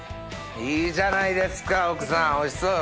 いいじゃないですか奥さんおいしそうよ。